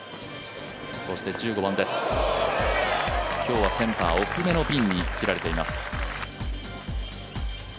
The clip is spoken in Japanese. そして１５番です、今日はセンター奥目のピンに切られています。